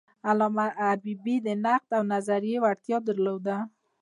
علامه حبیبي د نقد او نظریې وړتیا درلوده.